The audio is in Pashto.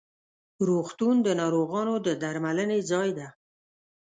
روغتون د ناروغانو د درملنې ځای ده.